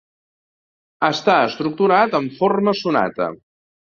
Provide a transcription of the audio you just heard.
Està estructurat en forma sonata.